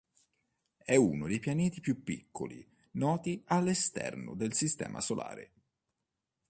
È uno dei pianeti più piccoli noti all'esterno del Sistema Solare.